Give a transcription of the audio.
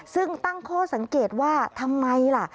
ซึ่งตั้งข้อสังเกตว่าทำไมล่ะ